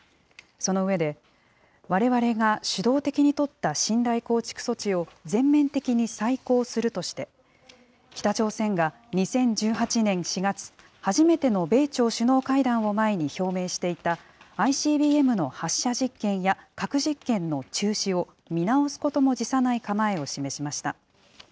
その上で、われわれが主導的に取った信頼構築措置を、全面的に再考するとして、北朝鮮が２０１８年４月、初めての米朝首脳会談を前に表明していた、ＩＣＢＭの発射実験や核実験の中止を見直すことも辞さない構えを示しました。